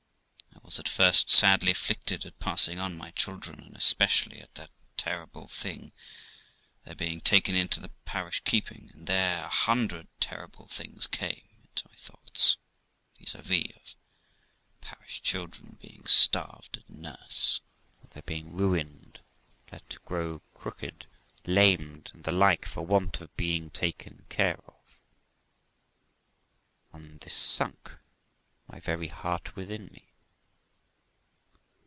I was at first sadly afflicted at the thoughts of parting with my children, and especially at that terrible thing, their being taken into the parish keeping; and then a hundred terrible things came into my thoughts, viz., of parish children being starved at nurse; of their being ruined, let grow crooked, lamed, and the like, for want of being taken care of; and this sunk my very heart within me.